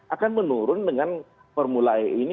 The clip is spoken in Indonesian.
akan menurun dengan formula e ini